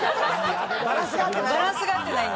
バランスが合ってない。